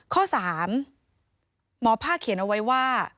ข้อ๓หมอภาคเขียนเอาไว้ว่า